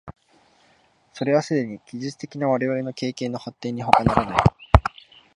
それはすでに技術的な我々の経験の発展にほかならない。